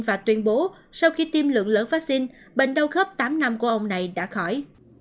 và tuyên bố sau khi tiêm lượng lớn vaccine bệnh đau khớp tám năm của ông này đã khỏi